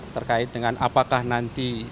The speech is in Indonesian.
terkait dengan apakah nanti